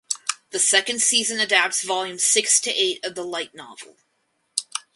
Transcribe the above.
The second season adapts volumes six to eight of the light novel.